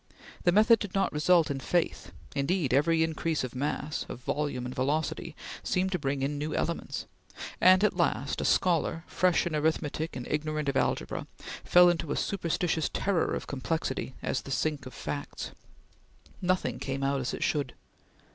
The method did not result in faith. Indeed, every increase of mass of volume and velocity seemed to bring in new elements, and, at last, a scholar, fresh in arithmetic and ignorant of algebra, fell into a superstitious terror of complexity as the sink of facts. Nothing came out as it should.